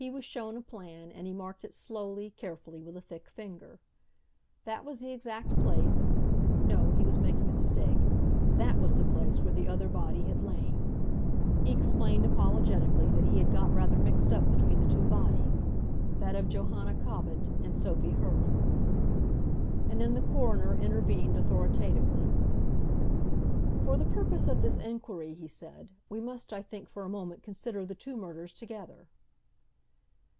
He was shown a plan, and he marked it slowly, carefully, with a thick finger. That was the exact place—no, he was making a mistake—that was the place where the other body had lain. He explained apologetically that he had got rather mixed up between the two bodies—that of Johanna Cobbett and Sophy Hurtle. And then the coroner intervened authoritatively: "For the purpose of this inquiry," he said, "we must, I think, for a moment consider the two murders together."